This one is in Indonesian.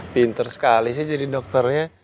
pinter sekali sih jadi dokternya